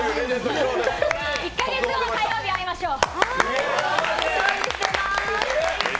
１か月後の火曜日に会いましょう。